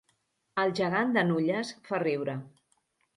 El gegant de Nulles fa riure